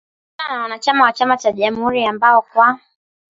Walipishana na wanachama wa chama cha jamhuri ambao kwa